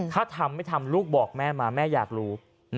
ถ้าทำไม่ทำลูกบอกแม่มาแม่อยากรู้